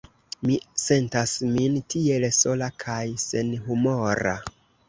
Mi sentas min tiel sola kaj senhumora."